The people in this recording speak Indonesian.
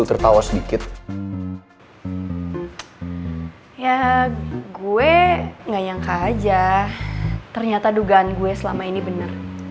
ternyata dugan gue selama ini bener